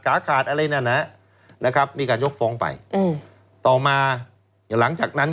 ขาดอะไรนั่นน่ะนะครับมีการยกฟ้องไปอืมต่อมาหลังจากนั้น